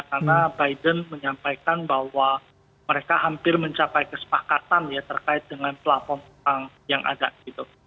karena biden menyampaikan bahwa mereka hampir mencapai kesepakatan ya terkait dengan platform yang ada gitu